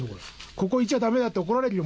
ここいちゃダメだって怒られるよ